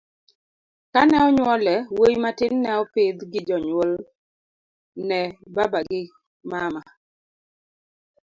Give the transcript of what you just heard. kane onyuole, wuoyi matin ne opidh gi jonyuol ne baba gi mama